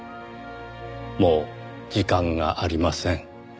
「もう時間がありません」